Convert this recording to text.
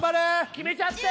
きめちゃって！